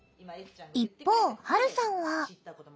一方はるさんは。